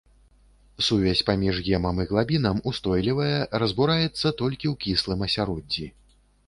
Сувязь паміж гемам і глабінам устойлівая, разбураецца толькі ў кіслым асяроддзі.